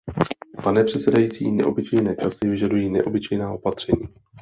Pane předsedající, neobyčejné časy vyžadují neobyčejná opatření.